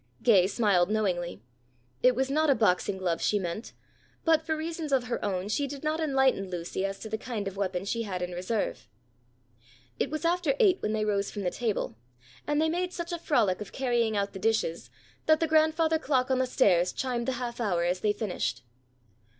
Gay smiled knowingly. It was not a boxing glove she meant, but for reasons of her own she did not enlighten Lucy as to the kind of weapon she had in reserve. It was after eight when they rose from the table, and they made such a frolic of carrying out the dishes, that the grandfather clock on the stairs chimed the half hour as they finished.